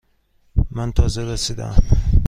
من تازه رسیده ام.